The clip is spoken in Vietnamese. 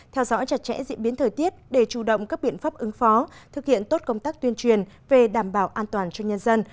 theo dõi chặt chẽ diễn biến thời tiết để chủ động các biện pháp ứng phó thực hiện tốt công tác tuyên truyền về đảm bảo an toàn cho nhân dân